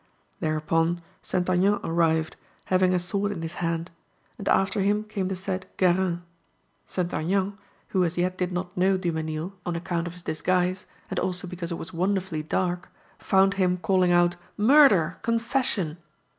Thereupon St. Aignan arrived, having a sword in his hand; and after him came the said Guérin. St. Aignan, who as yet did not know Dumesnil on account of his disguise, and also because it was wonderfully dark, found him calling out: 'Murder! Confession!